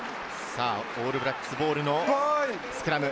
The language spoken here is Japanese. オールブラックスボールのスクラム。